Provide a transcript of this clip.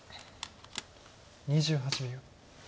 ２８秒。